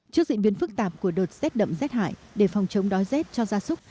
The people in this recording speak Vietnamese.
trước diễn biến phức tạp của đợt rét đậm rét hại để phòng chống đói rét cho gia súc